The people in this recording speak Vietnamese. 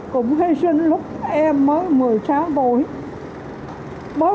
cũng hy sinh lúc em mới một mươi sáu buổi